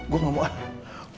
gue gak mau